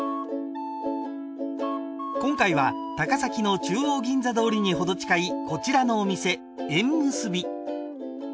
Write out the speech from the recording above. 今回は高崎の中央銀座通りに程近いこちらのお店えんむすび